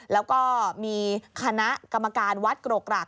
แล้วก็มีคณะกรรมการวัดกรกกราก